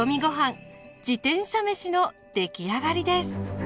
自転車めしの出来上がりです。